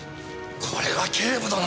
これは警部殿！